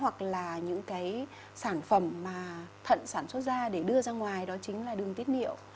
hoặc là những cái sản phẩm mà thận sản xuất ra để đưa ra ngoài đó chính là đường tiết niệu